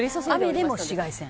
「雨でも紫外線？」